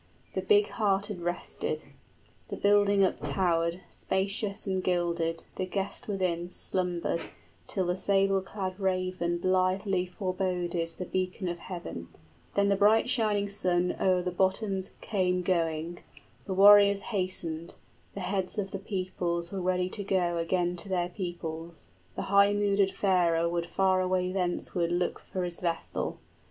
The big hearted rested; The building uptowered, spacious and gilded, 55 The guest within slumbered, till the sable clad raven Blithely foreboded the beacon of heaven. Then the bright shining sun o'er the bottoms came going; The warriors hastened, the heads of the peoples Were ready to go again to their peoples, {The Geats prepare to leave Dane land.} 60 The high mooded farer would faraway thenceward Look for his vessel.